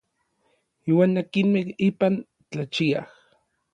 Iuan akinmej ipan tlachiaj.